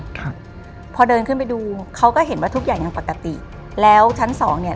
ครับพอเดินขึ้นไปดูเขาก็เห็นว่าทุกอย่างยังปกติแล้วชั้นสองเนี้ย